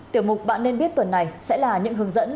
tiểu mục bạn nên biết tuần này sẽ là những hướng dẫn